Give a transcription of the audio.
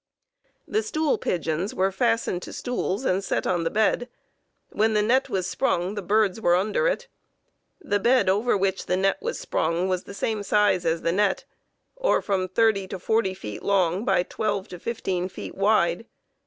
The stool pigeons were fastened to stools and set on the "bed"; when the net was sprung the birds were under it. The bed over which the net was sprung was the same size as the net, or from thirty to forty feet long by twelve to fifteen feet wide.